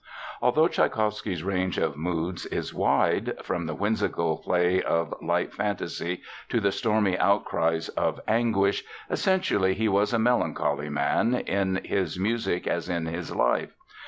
Although Tschaikowsky's range of moods is wide—from the whimsical play of light fantasy to stormy outcries of anguish—essentially he was a melancholy man, in his music as in his life.